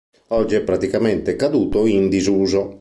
Oggi è praticamente caduto in disuso.